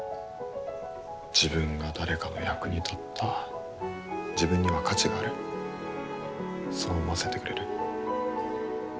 自分が誰かの役に立った自分には価値があるそう思わせてくれる。